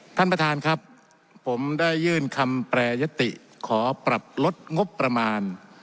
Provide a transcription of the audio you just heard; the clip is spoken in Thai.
ท่านประธานครับผมได้ยื่นคำแปรยติขอปรับลดงบประมาณ